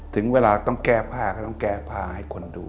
ถึงเวลาต้องแก้ผ้าก็ต้องแก้ผ้าให้คนดู